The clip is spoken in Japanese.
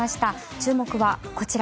注目はこちら